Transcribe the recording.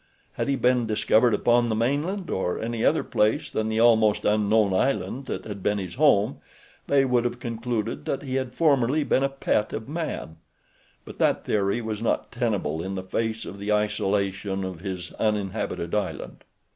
Had he been discovered upon the mainland, or any other place than the almost unknown island that had been his home, they would have concluded that he had formerly been a pet of man; but that theory was not tenable in the face of the isolation of his uninhabited island.